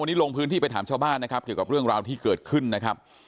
วันนี้ลงพื้นที่ไปถามชาวบ้านนะครับเกี่ยวกับเรื่องราวที่เกิดขึ้นนะครับ